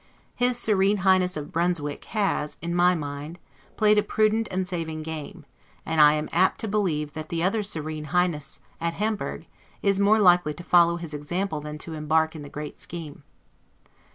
His Serene Highness of Brunswick has, in my mind, played a prudent and saving game; and I am apt to believe that the other Serene Highness, at Hamburg, is more likely to follow his example than to embark in the great scheme.